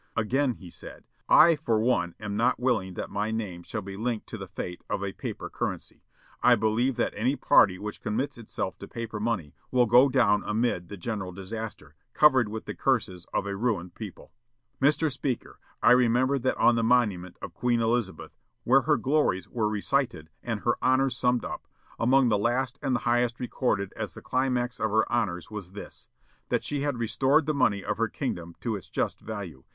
Again he said: "I for one am not willing that my name shall be linked to the fate of a paper currency. I believe that any party which commits itself to paper money will go down amid the general disaster, covered with the curses of a ruined people. "Mr. Speaker, I remember that on the monument of Queen Elizabeth, where her glories were recited and her honors summed up, among the last and the highest recorded as the climax of her honors was this: that she had restored the money of her kingdom to its just value.